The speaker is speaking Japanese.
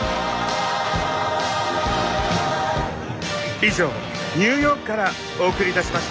以上ニューヨークからお送りいたしました。